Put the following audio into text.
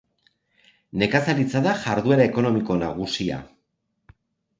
Nekazaritza da jarduera ekonomiko nagusia.